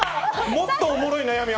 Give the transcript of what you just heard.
もっとおもろい悩み